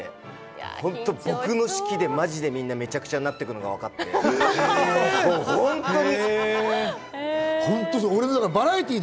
本当、僕の指揮でマジでみんな、めちゃくちゃになってくるのが分かって、本当に。